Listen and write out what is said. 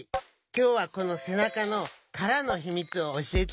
きょうはこのせなかのからのひみつをおしえちゃうよ。